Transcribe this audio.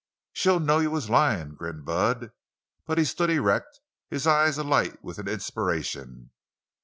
"She'd know you was lyin'," grinned Bud. He stood erect, his eyes alight with an inspiration.